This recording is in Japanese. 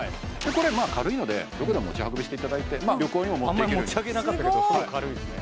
これまあ軽いのでどこでも持ち運びしていただいて旅行にも持っていけるんであまり持ち上げなかったけどすごい軽いですね